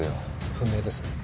不明です。